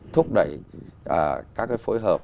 thúc đẩy các cái phối hợp